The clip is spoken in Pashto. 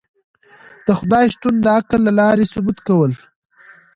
د خدای شتون د عقل له لاری ثبوت کول